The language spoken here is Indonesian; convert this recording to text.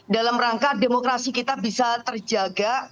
dalam rangka demokrasi kita bisa terjaga